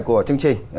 của chương trình